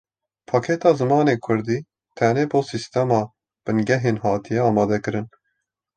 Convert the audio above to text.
Pakêta zimanê kurdî tenê bo sîstema bingehîn hatiye amadekirin.